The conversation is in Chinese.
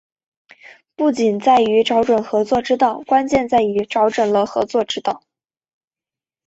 不仅在于找准合作之道，关键在于找准了合作之道